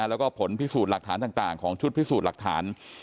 แล้วก็ผลพิสูจน์หลักฐานต่างของชุดพิสูจน์หลักฐาน